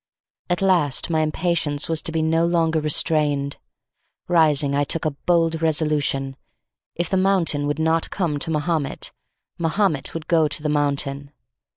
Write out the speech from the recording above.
At last my impatience was to be no longer restrained. Rising, I took a bold resolution. If the mountain would not come to Mahomet, Mahomet would go to the mountain.